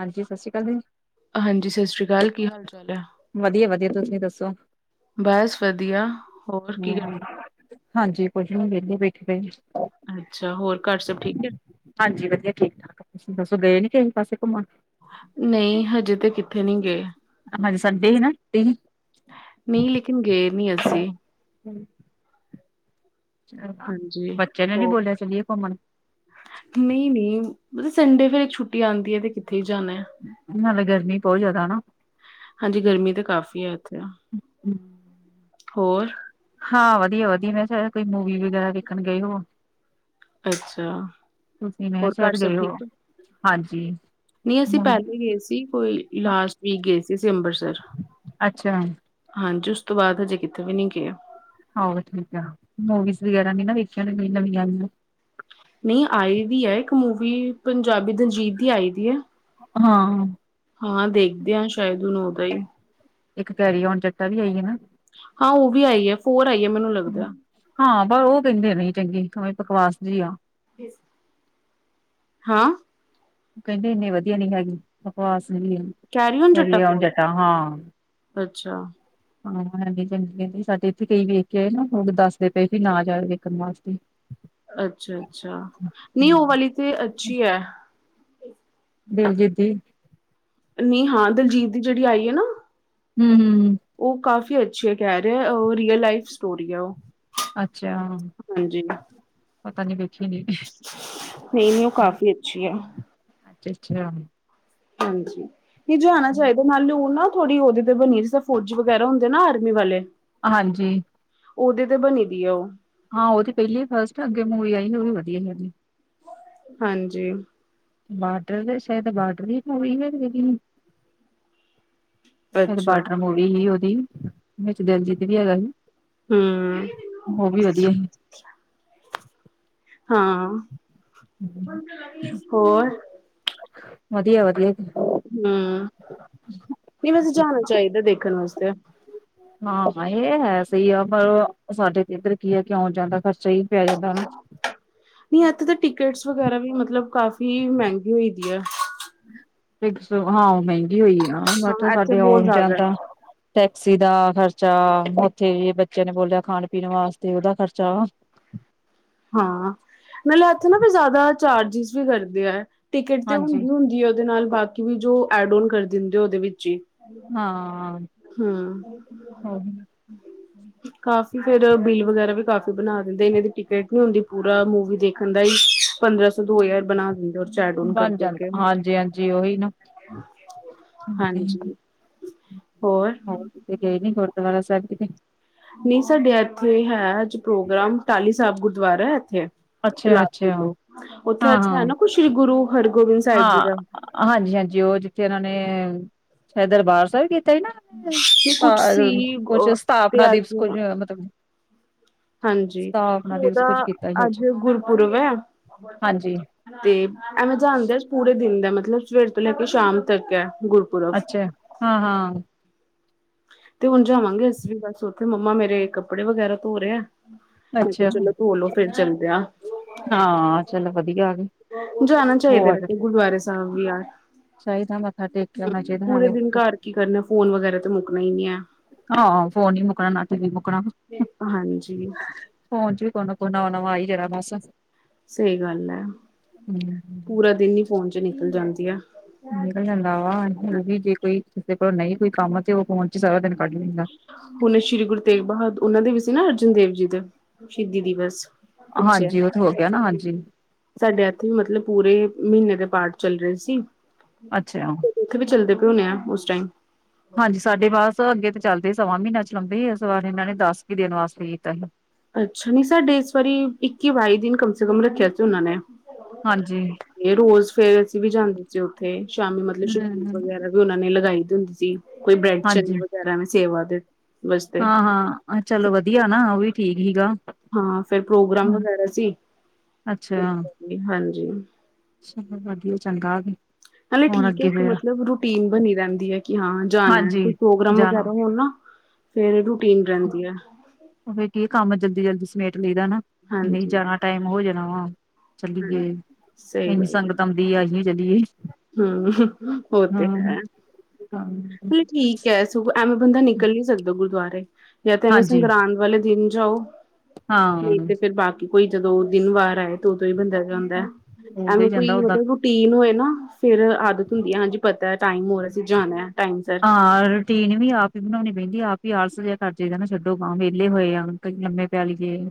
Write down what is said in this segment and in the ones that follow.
ਹਾਂਜੀ ਸਤਿ੍ਰੀ ਅਕਾਲ ਜੀ। ਹਾਂਜੀ ਸਤਿ ਸ੍ਰੀ ਅਕਾਲ ਕੀ ਹਾਲ-ਚਾਲ ਐ। ਵਧੀਆ, ਵਧੀਆ ਤੁਸੀਂ ਦੱਸੋ? ਬਾਸ ਵਧੀਆ। ਹੋਰ ਕੀ ਹੂੰ ਕਰਦੇ ਪਏ? ਹਾਂਜੀ ਕੁੱਛ ਨੀ ਵਿਹਲੇ ਬੈਠੇ ਪਏ। ਅੱਛਾ ਹੋਰ ਘਰ ਸਭ ਠੀਕ ਐ? ਹਾਂਜੀ ਵਧੀਆ ਠੀਕ-ਠਾਕ ਆ ਤੁਸੀਂ ਦੱਸੋ ਗਏ ਨੀ ਕਿਸਈ ਪਾਸੇ ਘੁੰਮਣ? ਨਈ ਹਜੇ ਤੇ ਕਿੱਥੇ ਨੀ ਗਏ। ਸੰਡੇ ਹੈ ਨਾ ਨਈ ਲੇਕਿਨ ਗਏ ਨੀ ਅਸੀਂ ਹੂੰ ਹਾਂਜੀ, ਬੱਚੇ ਨੇ ਨੀ ਬੋਲਿਆ ਚਲੀਏ ਘੁੰਮਣ ਨਈ-ਨਈ ਮਤਬ ਸੰਡੇ ਫੇਰ ਇੱਕ ਛੁੱਟੀ ਆਦੀ ਐ ਤੇ ਕਿੱਥੇ ਹੀ ਜਾਣਾ ਇਆ ਨਾਲੇ ਗਰਮੀ ਬੋਅ ਜਿਆਦਾ ਨਾ ਹਾਂਜੀ ਗਰਮੀ ਤਾਂ ਕਾਫੀ ਆ ਇੱਥੇ--ਹੋਰ ਹਾਂ ਵਧੀਆ-ਵਧੀਆ ਮੈਂ ਸ਼ਾਇ ਕੋਈ ਮੂਵੀ ਵਗੈਰਾ ਦੇੇਖਣ ਗਏ ਹੋਵੋ ਅੱਛਾ, ਤੁਸੀਂ ਮੈਂ ਕਿਹਾ ਸ਼ਹਿਦ ਗਏ ਹੋਵੋ। ਹਾਂਜੀ ਨਈ ਅਸੀਂ ਮੂਵੀ ਪਹਿਲੇ ਗਏ ਸੀ ਕੋਈ ਲਾਸਟ ਵੀਕ ਗਏ ਸੀ ਅਸੀਂ ਅੰਬਰਸਰ। ਅੱਛਾ। ਹਾਂਜੀ ਉਸ ਤੋਂ ਬਾਅਦ ਹਜੇ ਕਿਤੇ ਵੀ ਨੀ ਗਏ। ਆਹੋ ਠੀਕ ਆ ਮੂਵੀਜ਼ ਵਗੈਰਾ ਨੇ ਨਾ ਵੇਖੀਆਂ ਨੇ ਨਵੀ ਆਂਈਆ। ਨਹੀਂ ਆਈ ਵੀ ਹੈ ਇੱਕ ਮੂਵੀ ਪੰਜਾਬੀ ਦਣਜੀਤ ਦੀ ਆਈ ਦੀ ਹੈ ਹਾਂ ਹਾਂ ਦੇਖਦੇ ਹੈ ਸ਼ਾਇਦ ਉਹਨੂੰ ਉਹਦਾ ਹੀ ਇੱਕ ਕੈਰੀ ਆਉਣ ਜਟਾ ਵੀ ਆਈਏ ਨਾ ਹਾਂ ਉਹ ਵੀ ਆਈ ਹੈ, ਫੋਰ ਆਈ ਹੈ ਮੈਨੂੰ ਲੱਗਦਾ ਹਾਂ ਬ ਉਹ ਕਹਿੰਦੇ ਨੇ ਚੰਗੀ ਨਹੀ ਬਕਵਾਸ ਜੀ ਆ ਇਸ ਹਾਂ ਕਹਿੰਦੇ ਇੰਨੇ ਵਧੀਆ ਨੀ ਹੈਗੀ, ਬਕਵਾਸ ਹੈ ਕੈਰੀ ਆਉਣ ਜੱਟਾ ਹਾਂ ਅੱਛਾ ਹਾਂ ਹਾਂਜੀ ਚੰਗੀ ਕਹਿੰਦੀ ਸਾਡੇ ਇੱਥੇ ਕਈ ਵੇਖ ਕੇ ਆਏ ਨਾ ਦੱਸਦੇ ਪਏ ਵੀ ਨਾ ਜਾਓ ਵੇਖਣ ਵਾਸਤੇ ਅੱਛਾ, ਅੱਛਾ, ਨਹੀਂ ਉਹ ਵਾਲੀ ਤੇ ਅੱਛੀ ਹੈ ਬੇਇਜਤੀ ਨਹੀਂ ਹਾਂ ਦਲਜੀਤ ਦੀ ਜਿਹੜੀ ਆਈ ਹੈ ਨਾ ਹਮ- ਹਮ- ਹਮ ਉਹ ਕਾਫੀ ਅੱਛੀ ਕਹਿ ਰਹੇ, ਉਹ ਰੀਅਲ ਲਾਈਫ ਸਟੋਰੀ ਹੈ ਉਹ ਅੱਛਾ, ਹਾਂਜੀ ਪਤਾ ਨੀ ਵੇ ਅੱਛਾ, ਨਹੀਂ ਨਹੀਂ ਉਹ ਕਾਫ਼ੀ ਅੱਛੀ ਹੈ ਅੱਛਾ ਹਾਂਜੀ ਨ ਜੋ ਆਉਣਾ ਚਾਹੀਦਾ ਨਾਲ ਲੂ ਨਾਲ ਥੋੜੀ ਉਹਦੇ ਤੇ ਬਣੀ ਰਹੀ ਸ ਫੌਜੀ ਵਗੈਰਾ ਹੁੰਦੇ ਨਾ ਆਰਮੀ ਵਾਲੇ ਹਾਂਜੀ ਉਹਦੇ ਤੇ ਬਣੀ ਦੀ ਆ ਉਹ ਹਾਂ ਉਹ ਤਾਂ ਪਹਿਲੀ ਹੀ ਫਸਟ ਆ, ਅੱਗੇ ਮੂਵੀ ਆਈ ਸੀ ਉਹ ਵੀ ਵਧੀਆ ਹੈਨੀ ਹਾਂਜੀ ਬਾਰਡਰ ਤੇ ਸ਼ਾਇਦ ਬਾਰਡਰ ਹੀ ਹੋਈ ਹੈ ਫਿਰ ਅੱਛਾ ਬਾਰਡਰ ਮੂਵੀ ਸੀ ਉਹਦੀ, ਵਿਚ ਦਿਲਜੀਤ ਵੀ ਹੈਗਾ ਸੀ ਹਮ ਉਹ ਵੀ ਵਧੀਆ ਹੀ ਹਾਂ, ਸੀ ਹੋਰ ਵਧੀਆ, ਵਧੀਆ ਹਮ, ਨਹੀਂ ਵੈਸੇ ਜਾਣਾ ਚਾਹੀਦਾ ਦੇਖਣ ਵਾਸਤੇ ਹਾਂ ਇਹ ਹੈ ਸਹੀ ਆ ਪਰ ਸਾਡੇ ਤੇ ਇੱਧਰ ਕੀ ਆ ਆਉਣ- ਜਾਣ ਦਾ ਖਰਚਾ ਹੀ ਪੈ ਜਾਂਦਾ ਹਨਾ ਨਹੀਂ ਇੱਥੇ ਤਾਂ ਟਿਕਟਸ ਵਗੈਰਾ ਵੀ ਮਤਲਬ ਕਾਫੀ ਮਹਿੰਗੀ ਹੋਈ ਦੀ ਆ ਟਿਕਟਸ ਹਾਂ ਮਹਿੰਗੀ ਹੋਈ ਆ, ਹਾਂ ਬਟ ਇੱਥੇ ਸਾਡੇ ਬਹੁਤ ਆਉਣ ਜਾਣ ਜ਼ਿਆਦਾ ਹੈ। ਦਾ ਟੈਕਸੀ ਦਾ ਖਰਚਾ, ਉੱਥੇ ਜੇ ਬੱਚਿਆਂ ਨੇ ਬੋਲਿਆ ਖਾਣ-ਪੀਣ ਵਾਸਤੇ ਉਹਦਾ ਖਰਚਾ। ਹਾਂ, ਮਤਲਬ ਐਥੇ ਨਾ ਵੀ ਜ਼ਿਆਦਾ ਚਾਰਜਿਸ ਵੀ ਕਰਦੇ ਆ। ਟਿਕਟ ਤੇ ਹਾਂਜੀ ਹੁੰਦੀ ਹੁੰਦੀ ਹੈ ਉਹਦੇ ਨਾਲ ਬਾਕੀ ਵੀ ਜੋ, ਐਡ ਓਨ ਕਰ ਦਿੰਦੇ, ਉਹਦੇ ਵਿੱਚ ਹੀ। ਹਾਂ ਹਂ ਕਾਫੀ ਫੇਰ ਬਿਲ ਵਗੈਰਾ ਵੀ ਕਾਫੀ ਬਣਾ ਦਿੰਦੇ ਆ, ਇਹਨੇ ਦੀ ਟਿ ਏਥੇ ਹੁੰਦੀ ਪੂਰਾ ਮੂਵੀ ਦੇਖਣ ਦਾ ਈ ਪੰਦਰਾਂ-ਸੋ, ਦੋ-ਹਜ਼ਾਰ ਬਣਾ ਦਿੰਦੇ, ਉਹਦੇ ਐਡ ਓਨ ਬਣ ਜਾਂਦਾ ਕਰ-ਕਰਕੇ। ਹਾਂਜੀ ਹਾਂਜੀ ਉਹੀ ਨਾ [unintelligible] ਹੋਰ? ਹੋਰ, ਕਿੱਤੇ ਗਏ ਨਹੀਂ ਗੁਰਦੁਆਰਾ ਸਾਹਿਬ ਕਿਤੇ? ਨਹੀਂ ਸਾਡੇ ਐਥੇ ਹੈ ਅੱਜ ਪ੍ਰੋਗਰਾਮ, ਟਾਹਲੀ ਸਾਹਿਬ ਗੁਰਦੁਆਰਾ ਹੈ ਐਥੇ। ਅੱਛਾ ਇਲਾਸ ਅੱਛਾ ਦੋ ਉੱਥੇ ਹਾਂ ਅੱਜ ਹਾਂ ਹੈ ਨਾ ਕੋਈ ਸ਼੍ਰੀ ਗੁਰੂ ਹਰਗੋਬਿੰਦ ਸਾਹਿਬ ਜੀ ਹਾਂ ਦਾ ਹਾਂਜੀ -ਹਾਂਜੀ ਉਹ ਜਿੱਥੇ ਉਹਨਾਂ ਨੇ ਸ਼ਾਇਦ ਦਰਬਾਰ ਸਾਹਿਬਤੇ ਤੇ ਕੁਛ ਸੀ ਕੁਛ ਤੇ ਸਥਾਪਨਾ ਦਿਵਸ ਅਜ ਕੁੱਝ ਮਤਲਬ ਹਾਂਜੀ ਤੇ ਸਥਾਪਨਾ ਦਿਵਸ ਕੁੱਝ ਉਹਦਾ ਕੀਤਾ ਸੀ ਅੱਜ ਗੁਰਪੁਰਬ ਹੈ ਹਾਂਜੀ ਤੇ ਐਵੇਂ ਜਾਣਦਾ ਪੂਰੇ ਦਿਨ ਦਾ ਮਤਲਬ ਸਵੇਰ ਤੋਂ ਲੈ ਕੇ ਸ਼ਾਮ ਤੱਕ ਹੈ ਗੁਰਪੁਰਬ ਅੱਛਾ ਹਾਂ, ਹਾਂ ਤੇ ਹੁਣ ਜਾਵਾਂਗੇ ਅਸੀਂ ਬਸ ਮੰਮਾ ਮੇਰੇ ਕੱਪੜੇ ਵਗੈਰਾ ਧੋ ਰਹੇ ਹੈ ਮੈਂ ਕਿਹਾ ਅੱਛਾ ਚਲੋ ਧੋਲਓ ਫਿਰ ਚਲਦੇ ਹਾਂ ਹਾਂ ਚਲੋ ਵਧੀਆ ਆ ਗਏ ਜਾਣਾ ਚਾਹੀਦਾ ਹੋਰ ਮ ਗੁਰਦੁਆਰੇ ਸਾਹਿਬ ਵੀ ਯਾਰ ਚਾਹੀਦਾ ਮੱਥਾ ਟੇਕ ਕੇ ਆਉਣਾ ਹਮ ਚਾਹੀਦਾ ਪੂਰੇ ਨਾਲੇ ਦਿਨ ਘਰ ਕੀ ਕਰਨਾ, ਫੋਨ ਵਗੈਰਾ ਤੇ ਮੁੱਕਣਾ ਹੀ ਨਹੀਂ ਹੈ ਹਾਂ ਫੋਨ ਨੀ ਮੁੱਕਣਾ ਨਾ ਤੇ ਟੀਵੀ ਮੁੱਕਣਾ ਹਾਂਜੀ ਫੋਨ 'ਚ ਵੀ ਕੋਹ ਨਾ ਕੋ ਨਵਾਂ-ਨਵਾਂ ਆਈ ਜਾਣਾ, ਬਸ। ਸਹੀ ਗੱਲ ਐ। ਹੂੰ ਪੂਰਾ ਦਿਨ ਹੀ ਫੋਨ'ਚ ਨਿਕਲ ਜਾਂਦੀ ਆ। ਨਿਕਲ ਜਾਂਦਾ ਵਾ, ਉਹ ਵੀ ਜੇ ਕੋਈ ਕਿਸੇ ਕੋਲ ਨਹੀਂ ਕੋਈ ਕੰਮ ਤੇ ਉਹ ਫੋਨ'ਚ ਹੀ ਸਾਰਾ ਦਿਨ ਕੱਢ ਲੀਂਦਾ। ਹੁਣੇ ਸ਼੍ਰੀ ਗੁਰੂ ਤੇਗ ਬਹਾ ਉਹਨਾਂ ਦੇ ਵੀ ਸੀ ਨਾ ਅਰਜਨ ਦੇਵ ਜੀ ਦੇ ਸ਼ਹੀਦੀ ਦਿਵਸ। ਪਿੱਛੇ ਹਾਂਜੀ, ਓ ਤੋ ਹੋਗਿਆ ਨਾ, ਹਾਂਜੀ। ਸਾਡੇ ਐਥੇ ਵੀ ਮਤਲਬ ਪੂਰੇ, ਮਹੀਨੇ ਦੇ ਪਾਠ ਚੱਲ ਰਹੇ ਸੀ। ਅੱਛਾ। ਉੱਥੇ ਵੀ ਚੱਲਦੇ ਪਏ ਹੋਣੇ ਆ, ਉਸ ਟਾਈਮ? ਹਾਂਜੀ ਸਾਡੇ ਬਸ, ਅੱਗੇ ਤੇ ਚੱਲਦੇ ਸੱਵਾ ਮਹੀਨਾ ਚਲਾਂਉਂਦੇ ਇਸ ਵਾਰ ਇਹਨਾਂ ਨੇ ਦਸ ਕ ਦਿਨ ਵਾਸਤੇ ਕੀਤਾ ਸੀ। ਅੱਛਾ, ਨਹੀਂ ਸਾਡੇ ਇਸ ਵਾਰੀ ਇੱਕੀ, ਬਾਈ ਦਿਨ ਕਮ ਸੇ ਕਮ ਰੱਖਿਆ ਸੀ ਉਹਨਾਂ ਨੇ। ਹਾਂਜੀ ਤੇ ਰੋਜ਼ ਫੇਰ ਅਸੀ ਵੀ ਜਾਂਦੇ ਸੀ ਉੱਥੇ, ਸ਼ਾਮੀ ਮਤਲਬ ਸ਼ੁ ਹੂੰ ਵਗੈਰਾ ਵੀ ਉਹਨਾਂ ਨੇ ਲਗਾਈਦੀ ਹੁੰਦੀ ਸੀ, ਕੋਈ ਬੇਡ ਚੇਨ ਹਾਂਜੀ ਵਗੈਰਾ ਐਂਵੇ ਸੇਵਾ ਦੇ। ਵਾਸਤੇ ਹਾਂ-ਹਾਂ ਚਲੋ ਵਧੀਆ ਨਾ, ਉਹ ਵੀ ਠੀਕ ਹੀਗਾ। ਹਾਂ‌ ਫੇਰ ਪ੍ਰੋਗਰਾਮ ਵਗੈਰਾ ਸੀ, ਅੱਛਾ ਹਾਂਜੀ ਚਲੋ ਵਧੀਆ ਚੰਗਾ ਗੇ। ਨਾਲੇੇ ਠੀਕ ਏ, ਇੱਕ ਮਤਲਬ ਰੂਟੀਨ ਬਣੀ ਰਹਿੰਦੀ ਹੈ ਕਿ ਹਾਂ ਜਾਨੈ, ਹਾਂਜੀ ਕੋਈ ਪ੍ਰੋਗਰਾਮ ਜਾਣਾ ਵਗੈਰਾ ਹੋਣ ਨਾ ਫੇਰ ਰੂਟੀਨ ਰਹਿੰਦੀ ਐ। ਉਹ ਫਿਰ ਕੀ ਕੰਮ ਜਲਦੀ-ਜਲਦੀ ਸਮੇਟ ਲਈਦਾ ਨਾ, ਨਹੀ ਹਾਂਜੀ ਜਾਦਾ ਟਾਈਮ ਹੋ ਜਾਣਾ ਵਾ। ਚੱਲੀਏ, ਹਾਂਜੀ ਇੰਨੀ ਸੰਗਤ ਆਉਂਦੀ ਆ, ਅਹੀ ਵੀ ਚੱਲੀਏ। ਹੂੰ, ਉਹ ਤੇ ਹਾਂ। ਹੈ, ਨਹੀ ਠੀਕ ਐ। ਐਵੇਂ ਬੰਦਾ ਨਿਕਲ ਨੀ ਸਕਦਾ ਗੁਰਦੁਆਰੇ, ਯਾ ਤਾਂ ਐਵੇਂ ਹਾਂਜੀ ਸੰਗਰਾਂਦ ਵਾਲੇ ਦਿਨ ਜਾਓ। ਹਾਂ ਨਹੀਂ ਤੇ ਫੇਰ ਬਾਕੀ ਕੋਈ ਜਦੋਂ, ਦਿਨ ਵਾਰ ਆਏ ਦੋ-ਦੋ ਈ ਬੰਦਾ ਜਾਂਂਦੈ, ਉਦੋਂ ਹੀ ਐਂਵੇ ਜਾਂਦਾ ਕੋਈ, ਓਦਾਂ ਮਤਲਬ ਰੂਟੀਨ ਹੋਏ ਨਾ ਫੇਰ ਆਦਤ ਹੁੰਦੀ ਐ ਹਾਂਜੀ ਪਤਾ ਟਾਈਮ ਹੋਰ ਅਸੀਂ ਜਾਣੈ ਟਾਈਮ ਸਿਰ‌ ਹਾਂ ਰੂਟੀਨ ਵੀ ਆਪ ਈ ਬਣਾਉਣੀ ਪੈਂਦੀ ਆ, ਆਪ ਈ ਆਲਸ ਜਿਹਾ ਕਰ ਜਈਦਾ ਨਾ ਛੱਡੋ ਖਾ ਵਿਹਲੇ ਹੋਏ ਆ। ਕਈ ਲੰਮੇ ਪੈ ਲੀਏ,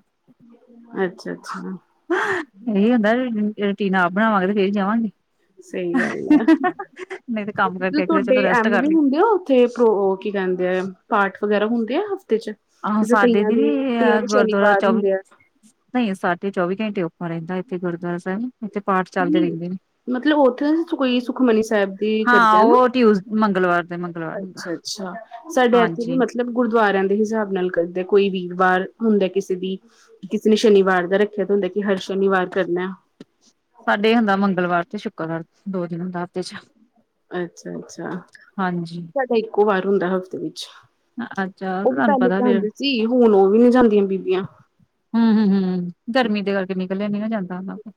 ਅੱਛਾ ਅੱਛਾ [unintelligible] ਹੁੰਦਾ ਜ ਟੀਨ ਆਪ ਬਣਾਵਾਂਗੇ ਤੇ ਫੇਰ ਹੀ ਜਾਵਾਂਗੇ। ਸਹੀ ਗੱਲ ਹੈ ਨਹੀਂ ਤੇ ਕੰਮ ਕਰਕੇ ਕਿਤੇ ਚਲੋ ਤੁਹਾਡੇ ਰੈਸਟ ਐਮ ਕਰ ਵੀ ਲਈ ਹੁੰਦੇ ਆ ਉੱਥੇ ਪ੍ਰੋ ਉਹ ਕੀ ਕਹਿੰਦੇ ਆ ਪਾਠ ਵਗੈਰਾ ਹੁੰਦੇ ਆ ਹਫ਼ਤੇ 'ਚ ਆਹੋ, ਜਿਸ ਸਾਡੇ ਕਈਆਂ ਦੀ ਦੇ ਵੀ ਕਈਆਂ ਦੇ ਗੁਰਦੁਆਰਾ ਸ਼ਨੀਵਾਰ ਚ ਹੁੰਦੇ ਆ ਨਹੀਂ ਸਾਢੇ ਚੌਵੀ ਘੰਟੇ ਉੱਪਰ ਰਹਿੰਦਾ ਇੱਥੇ ਗੁਰਦੁਆਰਾ ਸਾਹਿਬ। ਇਥੇ ਪਾਠ ਚੱਲਦੇ ਨਹੀਂ ਰਹਿੰਦੇ ਨੇ। ਮਤਲਬ ਉੱਥੇ ਕੋਈ ਸੁਖਮਨੀ ਸਾਹਿਬ ਦੀ ਹਾਂ। ਉਹ ਟਿਊਸ ਮੰਗਲਵਾਰ। ਦੇ ਮੰਗਲਵਾਰ ਹੁੰਦਾ ਅੱਛਾ- ਅੱਛਾ। ਸਾਡੇ ਇੱਥੇ ਵੀ ਹਾਂਜੀ ਮਤਲਬ ਮਤਲਬ ਗੁਰਦੁਆਰਿਆਂ ਦੇ ਹਿਸਾਬ ਨਾਲ ਕਰਦਾ ਕੋਈ ਵੀਰਵਾਰ ਹੁੰਦਾ, ਕਿਸੇ ਦੀ ਕਿਸੇ ਨੇ ਸ਼ਨੀਵਾਰ ਦਾ ਰੱਖਿਆ ਤਾਂ ਹੁੰਦਾ ਕਿ ਹਰ ਸ਼ਨੀਵਾਰ ਕਰਨਾ। ਸਾਡੇ ਹੁੰਦਾ ਮੰਗਲਵਾਰ ਤੇ ਸ਼ੁੱਕਰਵਾਰ ਦੋ ਦਿਨ ਹੁੰਦਾ ਹਫ਼ਤੇ ਚ'। ਅੱਛਾ-ਅੱਛਾ, ਹਾਂਜੀ ਸਾਡਾ ਇੱਕੋ ਵਾਰ ਹੁੰਦਾ ਹਫ਼ਤੇ ਵਿੱਚ। ਅੱਛਾ ਉਹ ਵੀ ਤੁਹਾਨੂੰ ਪਹਿਲੇ ਪਤਾ ਫੇਰ ਜਾਂਦੇ ਸੀ, ਹੁਣ ਉਹ ਵੀ ਨਹੀਂ ਜਾਂਦੀਆਂ ਬੀਬੀਆਂ। ਹੂੰ, ਹੂੰ, ਹੂੰ ਗਰਮੀ ਦੇ ਕਰਕੇ ਨਿਕਲਿਆ ਨੀ ਜਾਂਦਾ ਉਹਨਾ ਕੋ।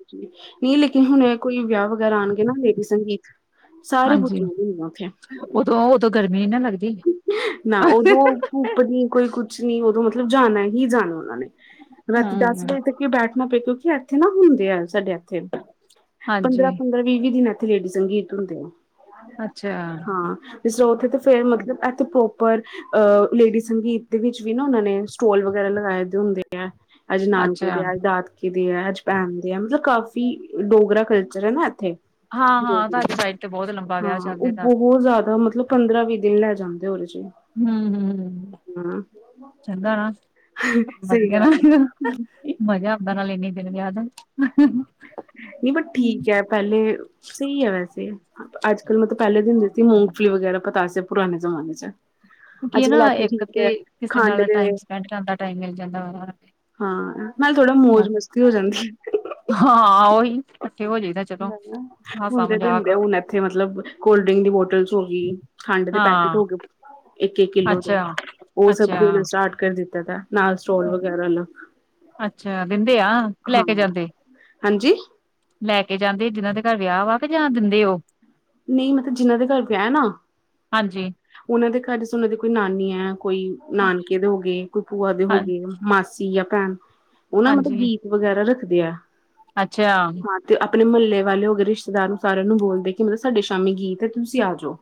ਨਹੀਂ ਲੇਕਿਨ ਹੁਣ ਕੋਈ ਵਿਆਹ ਵਗੈਰਾ ਆਣਗੇ ਨਾ ਲੇਡੀ ਸੰਗੀਤ। ਸਾਰੇ ਹਾਂਜੀ ਪੁੱਛੁ ਹੂਣ ਦੇ ਆ ਉੱਥੇ। ਉਦੋਂ, ਉਦੋਂ ਗਰਮੀ ਨੀ ਨਾ ਲੱਗ ਨਾ, ਉਦੋ ਕੁ ਪ ਨੀ ਕੋਈ ਕੁਛ ਨੀ, ਉਦੋਂ ਮਤਲਬ ਜਾਨਾ ਹੀ ਜਾਨਾ ਉਹਨਾਂ ਨੇ ਰਾਤੀ ਦਸ ਹੂੰ, ਵਜੇ ਤ ਕੀ ਬੈਠਣਾ ਪਏ ਕਿਉਂਕਿ ਐਥੇ ਨਾ ਹੁੰਦੇ ਆ ਸਾਡੇ ਐਥੇ ਹਾਂਜੀ ਪੰਦਰਾਂ-ਪੰਦਰਾਂ ਵੀਹ-ਵੀਹ ਦਿਨ ਐਥੇ ਲੇਡੀ ਸੰਗੀਤ ਹੁੰਦੇ ਆ। ਅੱਛਿਆ। ਹਾਂ ਸੋ ਕੇ ਤੇ ਫੇਰ ਮਤਲ ਬ ਇੱਥੇ ਪ੍ਰੋਪਰ ਅ। ਲੇਡੀ ਸੰਗੀਤ ਦੇ ਵਿੱਚ ਵੀ ਨਾ ਉਹਨਾਂ ਨੇ ਸਟੋਲ ਵਗੈਰਾ ਲਗਾਏ ਦੇ ਹੁੰਦੇ। ਅੱਜ ਨਾਨਕੇ ਅੱਛਾ ਦੇ, ਅੱਜ ਦਾਤ ਕਿਹ ਦੇ ਆ ਜਪੈਨ ਦੇ ਆ। ਮਤਲਬ ਕਾਫੀ ਡੋਗਰਾ ਕਲਚਰ ਹੈ ਨਾ ਇੱਥੇ। ਹਾਂ, ਹਾਂ ਤੁਹਾਡੀ ਸਾਈਡ ਤੇ ਬਹੁਤ ਲੰਬਾ ਵਿਆਹ ਹਾਂ। ਚੱਲਦੇ ਉਹ ਦੱਸ ਬਹੁਤ ਜ਼ਿਆਦਾ ਮਤਲਬ ਪੰਦਰਾਂ -ਵੀਹ ਦਿਨ ਲੈ ਜਾਂਦੇ ਉਹਦੇ ਚ'। ਹੂ- ਹੁ ਹ ਹਾਂ ਚੰਗਾ ਵਾ। ਸਹੀ ਵਧੀਆ ਗੱਲ ਨਾਲ। ਹੈ ਮਜ਼ਾ ਆਦਾ ਨਾਲ ਇੰਨੇ ਦਿਨ ਵਿਆਹ। ਨਹੀਂ ਬਟ ਠੀਕ ਹੈ। ਪਹਿਲੇ ਸਹੀ ਹੈ ਵੈਸੇ। ਅੱਜ ਕੱਲ ਮਤਲਬ ਪਹਿਲੇ ਹੁੰਦੇ ਸੀ ਮੂੰਗਫਲੀ ਵਗੈਰਾ ਪਤਾ ਸੀ ਪੁਰਾਣੇ ਜਮਾਨੇ ਚ'। ਉ ਕੀਿ ਅੱਜ ਨਾ ਕੱਲ ਇੱਥੇ ਇੱਕ ਠੀਕ ਤੇ ਹੈ ਕਿਸੇ ਖੰਡ ਨਾਲ ਦੇ ਟਾਈਮ ਸਪੈਂਡ ਕਰਨ ਦਾ ਟਾਈਮ ਮਿਲ ਜਾਂਦਾ। ਹਾਂ। ਨਾਲ ਥੋੜਾ ਵਾ। ਮੌਜ- ਮਸਤੀ ਹੋ ਜਾਂਦੀ ਆ। ਹਾਂ। ਉਓਹੀ ਹੁਣਦੇ ਮਜ਼ਾਕ ਦਿੰਦੇ ਹੁਣ ਇੱਥੇ ਮਤਲਬ ਕੋਲਡ ਡਰਿੰਕ ਦੀ ਬੋਟਲ ਹੋ ਗਈ। ਖੰਡ ਦੇ ਪੈਕੇਟ ਹਾਂ ਹੋ ਗਏ। ਇੱਕ- ਇੱਕ ਕਿੱਲੋ ਦਾ। ਅੱਛਾ, ਉਹ ਸਭ ਅੱਛਾ ਦੇਣਾ ਸਟਾਰਟ ਕਰ ਦਿੱਤਾ ਦਾ ਨਾਲ ਸਟੋਲ ਵਗੈਰਾ ਅੱਛਾ। ਦਿੰਦੇ ਆ, ਲੈ ਕੇ ਹਾਂ ਜਾਂਦੇ। ਹਾਂਜੀ ਲੈ ਕੇ ਜਾਂਦੇ ਜਿਹਨਾਂ ਦੇ ਘਰ ਵਿਆਹ ਵਾ। ਕੇ ਜਾਂ ਦਿੰਦੇ ਉਹ। ਨਹੀਂ, ਮਤਲਬ ਜਿਨਾਂ ਦੇ ਘਰ ਵਿ ਨਾ ਹਾਂਜੀ ਉਹਨਾਂ ਦੇ ਘਰ ਚ' ਉਹਨਾਂ ਦੀ ਕੋਈ ਨਾਨੀ ਹੈ, ਕੋਈ ਨਾਨਕੇ ਦੇ ਹੋ ਗਏ, ਕੋਈ ਭੂਆ ਦੇ ਹੋ ਹਾਂ ਗਏ, ਮਾਸੀ ਜਾਂ ਭੈਣ। ਉਹ ਨਾ ਮਤਲਬ ਹਾਂਜੀ ਗੀਤ ਵਗੈਰਾ ਰੱਖਦੇ ਆ। ਅੱਛਾ। ਤੇ ਆਪਣੇ ਮਹੱਲੇ ਵਾਲੇ ਹੋ ਗਏ, ਰਿਸ਼ਤੇਦਾਰ ਨੂੰ ਸਾਰਿਆਂ ਨੂੰ ਬੋਲਦੇ ਕਿ ਮਤਲਬ ਸਾਡੇ ਸ਼ਾਮੀ ਗੀਤ ਹੈ ਤੁਸੀਂ ਆ ਜਾਓ।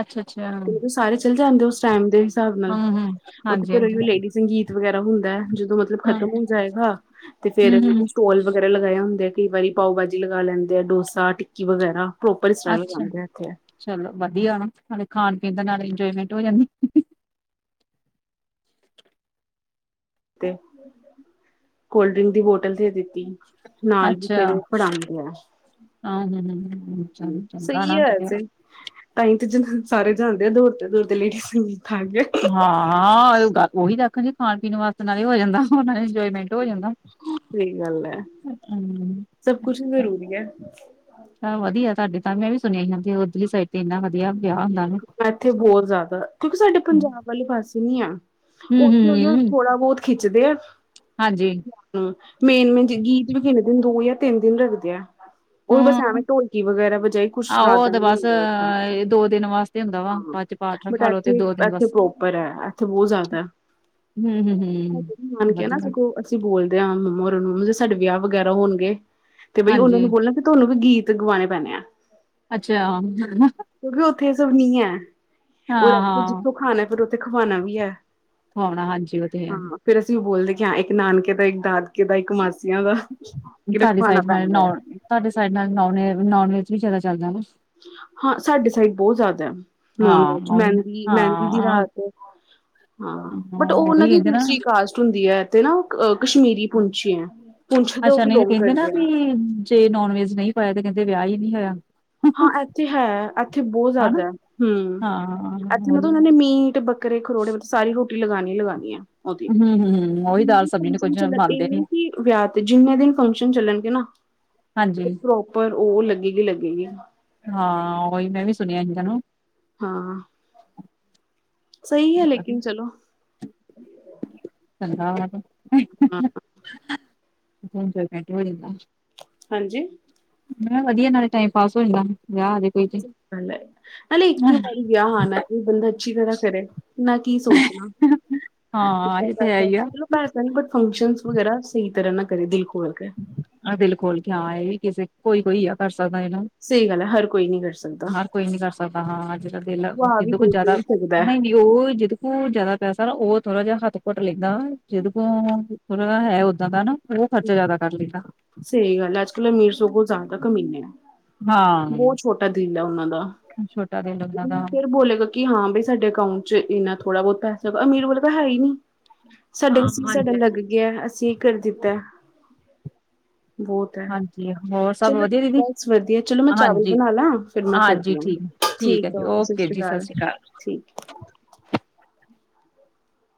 ਅੱਛਾ- ਅੱਛਾ। ਤੇ ਮਤਲਬ ਸਾਰੇ ਚਲੇ ਜਾਂਦੇ ਉਸ ਟਾਈਮ ਦੇ ਹਿਸਾਬ ਨਾਲ। ਹਮ ਉਥ ਹਾਂਜੀ ਫਿਰ ਹਾਂਜੀ ਉ ਲੇਡੀ ਸੰਗੀਤ ਵਗੈਰਾ ਹੁੰਦਾ ਹੈ। ਜਦੋਂ ਮਤਲਬ ਹਾਂ ਖ਼ਤਮ ਹੋ ਜਾਏਗਾ। ਤੇ ਫੇਰ ਹਮ ਹਮ ਸਟੋਲ ਵਗੈਰਾ ਲਗਾਏ ਹੁੰਦੇ ਆ। ਕਈ ਵਾਰੀ ਪਾਓ ਭਾਜੀ ਲਗਾ ਲੈਂਦੇ ਆ। ਡੋਸਾ, ਟਿੱਕੀ ਵਗੈਰਾ ਪ੍ਰੋਪਰ ਸਟ੍ਰਗਲ ਅੱਛਾ ਕਰਦੇੱਥੇ। ਚਲੋ ਵਧੀਆ। ਨਾ ਨਾਲੇ ਖਾਣ- ਪੀਣ ਦਾ ਨਾਲੇ ਇੰਜੋਏਮੈਂਟ ਹੋ ਜਾਂਦੀ। ਤੇ ਕੋਲਡ ਡਰਿੰਕ ਦੀ ਬੋਟਲ ਦੇ ਦਿੱਤੀ। ਨਾਲ ਵੀ ਫੇਰ ਪੜਾਉਂਦੇ ਆ। ਹਹ ਹ ਚ' ਆਣਾ। ਤ ਤੇ ਜ ਸਾਰੇ ਜਾਦੇ ਆ। ਦੋੜ ਤੇ ਦੋੜ ਤੇ ਲੇਡੀ ਸੰਗੀਤ ਆ ਗ ਹਾਂ- ਹਾਂ। ਉਹੀ ਦੇਖਣ ਜ ਖਾਣ- ਪੀਣ ਵਾਸਤੇ ਨਾਲ ਹੀ ਹੋ ਜਾਂਦਾ ਇੰਜੋਏਮੈਂਟ। ਹੋ ਜਾਂਦਾ। ਹੂ। ਸਹੀ ਗੱਲ ਹੈ। ਸਭ ਕੁਛ ਜ਼ਰੂਰੀ ਹੈ। ਤਾਂ ਵਧੀਆ ਤੁਹਾਡੇ ਤਾਂ ਮੈਂ ਵੀ ਸੁਣਿਆ ਹੀ ਹੁੰਦੀ ਉੱਧਲੀ ਸਾਈਡ ਤੇ ਇੰਨਾ ਵਧੀਆ ਵਿਆਹ ਹੁੰਦਾ। ਨਾ ਇੱਥੇ ਬਹੁਤ ਜ਼ਿਆਦਾ। ਕਿਉਂਕਿ ਸਾਡੇ ਪੰਜਾਬ ਵਾਲੀ ਪਾਸੇ ਨੀ ਆ। ਹਮ ਉੱਥੇ ਉਹੀ ਹਮ ਥੋੜਾ- ਬਹੁਤ ਖਿੱਚਦੇ ਆ। ਹਾਂਜੀ। ਮੇਨ- ਮੇਨ ਗੀਤ ਵੀ ਕਿੰਨੇ ਦਿਨ ਦੋ ਜਾਂ ਤਿੰਨ ਦਿਨ ਰੱਖਦੇ ਆ। ਉਹਹੀ ਬਸ ਐਵੇਂ ਹੂੰ ਢੋਲਕੀ ਵਗੈਰਾ ਵਜਾਏ। ਕੁੱਛ ਆਹੋ ਉਹ ਜ਼ਿਆਦਾ ਤੇ ਨ ਬਸ ਹੁੰਦਾ ਉੱਥੇ। ਦੋ ਦਿਨ ਵਾਸਤੇ। ਹੁੰਦਾ ਵਾ ਹਾਂ। ਬਾਅਦ ਚ ਪਾਠ ਬਟ ਰਖਾ ਲੋ ਤੇ ਇਥੇ ਦੋ ਦਿਨ ਇੱਥੇ ਬਸ ਪ੍ਰੋਪਰ ਹੈ। ਇੱਥੇ ਬਹੁਤ ਜ਼ਿਆਦਾ ਹੂੰ ਹੂੰ ਹੂੰ ਮੰਨ ਕੇ ਨਾ ਵਧੀਆ ਸਗੋਂ ਅਸੀਂ ਬੋਲਦੇ ਹਾਂ ਮੰਮਾ ਹੋਣਾ ਨੂੰ ਮੰਮਾ ਜੇ ਸਾਡੇ ਵਿਆਹ ਵਗੈਰਾ ਹੋਣਗੇ ਤੇ ਬਈ ਉਹਨਾਂ ਹਾਂਜੀ ਨੂੰ ਬੋਲਣਾ ਤੁਹਾਨੂੰ ਵੀ ਗੀਤ ਗਵਾਉਣੇ ਪੈਣੇ ਆ ਅੱਛਾ ਕਿਉਂਕਿ ਉੱਥੇ ਇਹ ਸਭ ਨੀ ਹੈ, ਉਹ ਹਾਂ ਜਿੱਥੋਂ ਖਾਣਾ ਫਿਰ ਉੱਥੇ ਖਵਾਣਾ ਵੀ ਹੈ ਉਣਾ ਹਾਂਜੀ ਉਹ ਤੇ ਹੈ ਫਿਰ ਅਸੀਂ ਉਹ ਬੋਲਦੇ ਕਿ ਹਾਂ ਇੱਕ ਨਾਨਕੇ ਦਾ, ਇੱਕ ਦਾਦਕੇ ਦਾ, ਇੱਕ ਮਾਸੀਆਂ ਦਾ ਕਿ ਤੁਹਾਡੇ ਰਖਵਾਣਾ ਸਾਈਡ ਨਾਲ ਪੈਂਦਾ ਹੈ ਨ ਤੁਹਾਡੇ ਸਾਈਡ ਨਾਲ ਨ ਨੋਨ ਵੈਜ ਵੀ ਜ਼ਿਆਦਾ ਚੱਲਦਾ ਹਾਂ ਸਾਡੇ ਸਾਈਡ ਬਹੁਤ ਜ਼ਿਆਦਾ ਹੈ ਨੋਨ ਵੈਜ ਹਾਂ ਉਹੀ ਨਾ ਮਹਿੰਦੀ, ਮਹਿੰਦੀ ਦੀ ਹਾਂ ਰਾਤ ਹਾਂ, ਬਟ ਉਹ ਉਹੀ ਉਹਨਾਂ ਦੀ ਕਹਿੰਦੇ ਨਾ ਦੂਸਰੀ ਕਾਸ਼ਟ ਹੁੰਦੀ ਹੈ ਤੇ ਨਾ ਕਸ਼ਮੀਰੀ ਪੁੰਛ ਹੈ, ਪੁੰਛ ਦੇ ਉਹ ਅੱਛਾ ਨਹੀਂ ਬਿਲੋਂਗ ਕਹਿੰਦੇ ਨਾ ਕਰਦੇ ਹੈ। ਵੀ ਜੇ ਨੋਨ ਵੈਜ ਨਹੀਂ ਪਾਇਆ ਤੇ ਕਹਿੰਦੇ ਵਿਆਹ ਹੀ ਨਹੀਂ ਹੋਇਆ। ਹਾਂ ਇੱਥੇ ਹੈ, ਇੱਥੇ ਬਹੁਤ ਹਨਾ ਜ਼ਿਆਦਾ, ਹਮ ਹਾਂ ਇੱਥੇ ਮਤਲਬ ਉਹੀ ਉਹਨਾਂ ਨਾ, ਨੇ ਮੀਟ, ਬਰੀ ਘਰੇ ਖਰੋੜ ਮਤਲਬ ਸਾਰੀ ਰੋਟੀ ਲਗਾਉਣੀ ਲਗਾਉਣੀ ਹੈ। ਹਮ- ਹਮ। ਜਿੰ ਦਿ ਫੰਕਸ਼ਨ ਚੱਲ ਇਹ ਨੀ ਕਿ ਵਿਆਹ ਤੇ ਜਿੰਨੇ ਦਿਨ ਫੰਕਸ਼ਨ ਚੱਲਣਗੇ ਨਾ। ਹਾਂਜੀ। ਪਰ ਉਹ ਲੱਗੇਗੀ ਲੱਗੇਗੀ। ਹਾਂ ਉਹੀ ਮੈਂ ਵੀ ਸੁਣਿਆ ਸੀ ਨੂੰ ਹਾਂ। ਸਹੀ ਹੈ ਲੇਕਿਨ ਵਧੀਆ ਚਲੋ ਚੰਗਾ ਵ ਤੇ ਹਾਂ। ਸੰ ਚ ਘਟ ਹੋੜਦਾ। [unintelligible] ਹਾਂਜੀ। ਮੈਂ ਵਧੀਆ, ਨਾਲੇ ਟਾਈਮ ਪਾਸ ਹੋ ਜਾਂਦਾ ਵਿਆਹ ਆ ਜਾਏ ਸਹੀ ਗੱਲ ਹੈ, ਅਰੇ ਇੱਕ ਵਾਰੀ ਵਿਆਹ ਆਉਣਾ ਕਿ ਬੰਦਾ ਅੱਛੀ ਤਰਾਂ ਕਰੇ। ਮੈਂ ਕੀ ਸੋਚਣਾ ਹਾਂ ਇਹ ਤੇ ਹੈ ਹੀ ਆ ਪੈਸਾ ਨ ਬਟ ਫੰਕਸ਼ਨ ਵਗੈਰਾ ਸਹੀ ਤਰ੍ਹਾਂ ਨਾ ਕਰੇ ਦਿਲ ਖੋਲ ਵ ਕੇ ਆਹ ਦਿਲ ਖੋਲ ਕੇ ਹਾਂ ਇਹ ਵੀ ਕਿਸੇ ਕੋਈ- ਕੋਈ ਆ ਕਰ ਸਕਦਾ ਇਹਨਾ ਸਹੀ ਗੱਲ ਹੈ ਹਰ ਕੋਈ ਨੀ ਕਰ ਸਕਦਾ ਹਰ ਕੋਈ ਨੀ ਕਰ ਸਕਦਾ ਹਾਂ ਜਿਹਦਾ ਦਿਲ ਖਵਾ ਵੀ ਕੁਝ ਕੋਈ ਜ਼ਿਆਦਾ ਕੋਈ ਸਕਦਾ ਹੈ। ਨਹੀ-ਨਹੀ। ਉਹ ਜਿਦ ਕੋ ਜਿਆਦਾ ਪੈਸਾ ਨਾ ਉਹ ਥੋੜਾ ਜਿਹਾ ਹੱਥ ਘੁਟ ਲੈਂਦਾ ਜਿਦ ਕੋ ਹੈ ਓਦਾਂ ਦਾ ਨਾ ਉਹ ਖਰਚਾ ਜਿਆਦਾ ਕਰ ਲੈਂਦਾ। ਸਹੀ ਗੱਲ ਹੈ ਅੱਜ-ਕੱਲ੍ਹ ਅਮੀਰ ਸਗੋਂ ਜ਼ਿਆਦਾ ਕਮੀਨੇ ਆ, ਹਾਂ ਬਹੁਤ ਛੋਟਾ ਦਿਲ ਆ ਉਹਨਾਂ ਦਾ ਛੋਟਾ ਦਿਲ ਉਹਨਾਂ ਦਾ, ਫਿਰ ਬੋਲੇਗਾ ਕਿ ਹਾਂ ਬਈ ਸਾਡੇ ਅਕਾਊਂਟ ਚ ਇੰਨਾ ਥੋੜਾ ਬਹੁਤ ਪੈਸਾ ਲਗਾ, ਅਮੀਰ ਵਲ ਤਾਂ ਹੈ ਹੀ ਨਹੀਂ। ਹਾਂ ਸਾਡੇ ਸੀ ਸਾਡਾ ਹਾਂਜੀ ਲੱਗ ਹਾਂਜੀ ਗਿਆ ਅਸੀਂ ਕਰ ਦਿੱਤਾ। ਬਹੁਤ ਹੈ। ਹਾਂਜੀ ਹੋਰ ਸਭ ਚਲੋ ਵਧੀਆ ਦੀਦੀ ਬਸ ਵਧੀਆ, ਚਲੋ ਮੈਂ ਚਾਵਲ ਹਾਂਜੀ ਬਣਾ ਲਾ, ਫਿਰ ਮੈਂ ਕਰਦੀ ਹਾਂ। ਠੀਕ ਹੈ ਓਕੇ, ਸਤਿ ਸ੍ਰੀ ਅਕਾਲ ਠੀਕ,